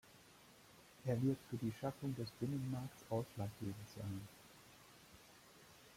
Er wird für die Schaffung des Binnenmarkts ausschlaggebend sein.